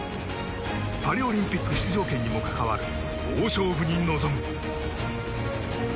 パリオリンピック出場権にも関わる、大勝負に臨む。